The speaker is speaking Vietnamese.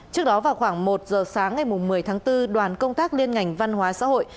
trước đó vào khoảng một giờ sáng ngày một mươi tháng bốn đoàn công tác liên ngành văn hóa xã hội